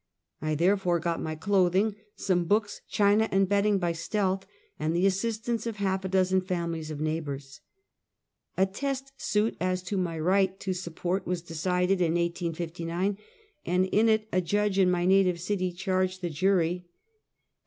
I there fore got my clothing, some books, china and bedding by stealth, and the assistance of half a dozen families of neighbors. A test suit as to my right to support was decided in 1859, and in it a judge in my native city, charged the jury that: 166 Half a Centuet.